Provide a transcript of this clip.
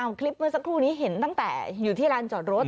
เอาคลิปนึงสักครู่นี้เห็นจากอยู่ที่ร้านจอดรถ